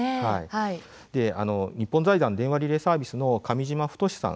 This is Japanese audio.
日本財団電話リレーサービスの上嶋太さん